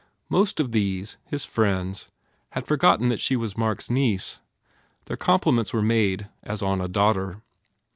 Most of these, his friends, had forgotten that she was Mark s niece. Their compliments were made as on a daughter.